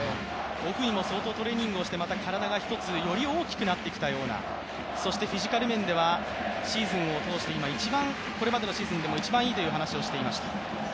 オフにも相当トレーニングして大きくなってきたような、そしてフィジカル面ではシーズンを通して、これまでのシーズンでも一番いいと話していました。